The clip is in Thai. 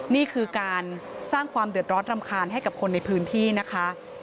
นี่คือการสร้างความเดือดร้อนรำคาญให้กับคนในพื้นที่นะคะ